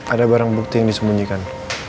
ada barang bukti yang disembunyikan